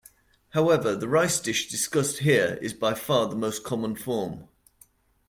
However, the rice dish discussed here is by far the most common form.